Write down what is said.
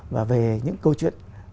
và về những câu chuyện